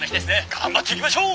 頑張っていきましょう！」。